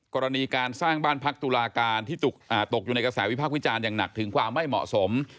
กรณีการสร้างบ้านพักตุลาการที่ตกอยู่ในกระแสวิพากษ์วิจารณ์อย่างหนักถึงความไม่เหมาะสม